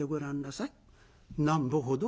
「なんぼほど？」